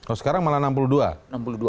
kalau sekarang malah enam puluh dua